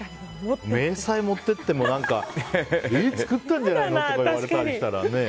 明細持って行っても何か作ったんじゃないの？って言われたりしたらね。